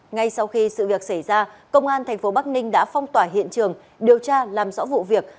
ngay sau khi sự việc xảy ra công an tp bắc ninh đã phong tỏa hiện trường điều tra làm rõ vụ việc